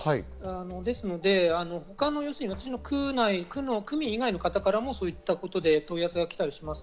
ですので、区民以外の方からもそういったことで問い合わせが来たりします。